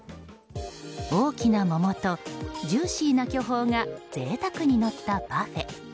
大きな桃とジューシーな巨峰が贅沢にのったパフェ。